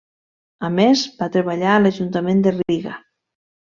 A més, va treballar a l'Ajuntament de Riga.